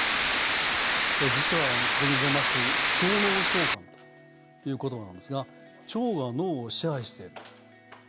実は、ここに出ます腸脳相関ということなんですが腸が脳を支配してる。